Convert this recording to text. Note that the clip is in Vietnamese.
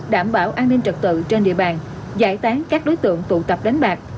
đảm bảo an ninh trật tự trên địa bàn giải tán các đối tượng tụ tập đánh bạc